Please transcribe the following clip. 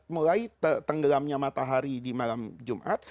mulai tenggelamnya matahari di malam jumat